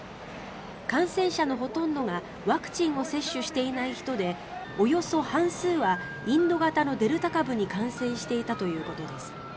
感染者のほとんどがワクチンを接種していない人でおよそ半数はインド型のデルタ株に感染していたということです。